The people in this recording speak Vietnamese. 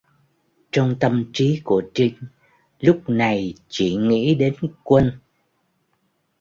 Trong tâm trí của Trinh lúc này chỉ nghĩ đến quân